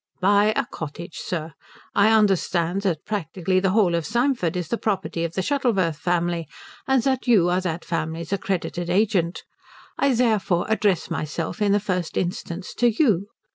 "Buy a cottage, sir. I understand that practically the whole of Symford is the property of the Shuttleworth family, and that you are that family's accredited agent. I therefore address myself in the first instance to you.